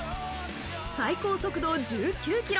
最高速度１９キロ。